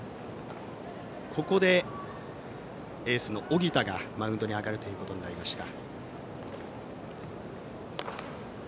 ここでエースの小北がマウンドに上がるということになりました。